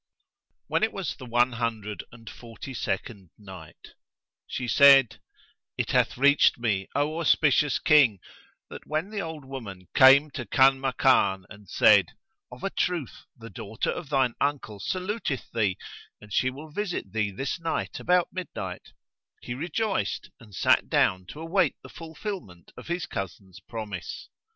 When it was the One Hundred and Forty second Night, She said, It hath reached me, O auspicious King, that when the old woman came to Kanmakan and said, "Of a truth the daughter of thine uncle saluteth thee and she will visit thee this night about midnight;" he rejoiced and sat down to await the fulfilment of his cousin's promise.